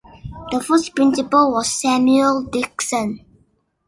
The first Principal was Samuel Dixon.